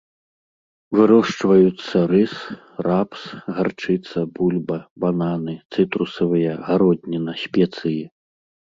Вырошчваюцца рыс, рапс, гарчыца, бульба, бананы, цытрусавыя, гародніна, спецыі.